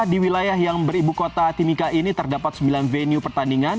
di wilayah yang beribu kota timika ini terdapat sembilan venue pertandingan